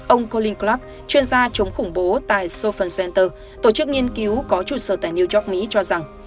ông koling clark chuyên gia chống khủng bố tại sophen center tổ chức nghiên cứu có trụ sở tại new york mỹ cho rằng